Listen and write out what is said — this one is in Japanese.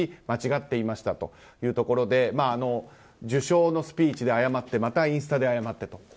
間違っていましたということで受賞のスピーチで謝ってまたインスタで謝ってと。